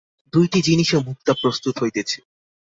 দুইটি জিনিষে মুক্তা প্রস্তুত হইতেছে।